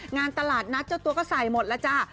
งานตลาดนัดเจ้าตัวก็ใส่หมดแล้วจ้า